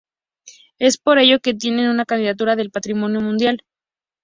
Es por ello que tiene una candidatura del Patrimonio Mundial.